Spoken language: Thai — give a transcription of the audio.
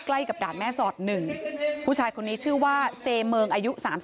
ใกล้กับด่านแม่สอด๑ผู้ชายคนนี้ชื่อว่าเซเมิงอายุ๓๓